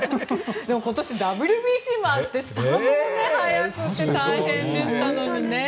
今年はＷＢＣもあってスタートも早くて大変でしたのにね。